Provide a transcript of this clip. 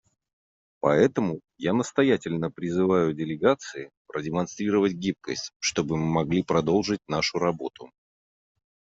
Поэтому я настоятельно призываю делегации продемонстрировать гибкость, чтобы мы могли продолжить нашу работу.